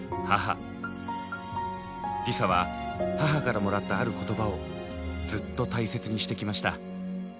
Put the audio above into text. ＬｉＳＡは母からもらったある言葉をずっと大切にしてきました。